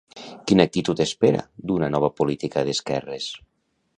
Quina actitud espera d'una nova política d'esquerres?